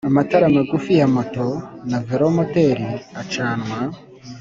amatara magufi ya moto na velomoteri acanwa